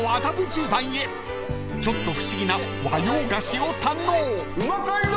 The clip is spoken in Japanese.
［ちょっと不思議な和洋菓子を堪能］